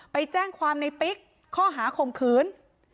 ไปแจ้งความในปิ๊กข้อหาข่มขืน